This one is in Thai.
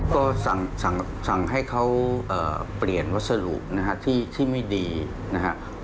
ก็สั่งให้เขาเปลี่ยนวัสดุที่ไม่ดีนะครับ